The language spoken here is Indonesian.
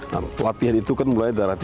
nah latihan itu kan mulai darat tinggi